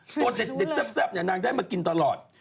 ตัวเด็ดแซ่บนางได้มากินตลอด